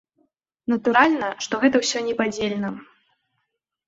Натуральна, што гэта ўсё непадзельна.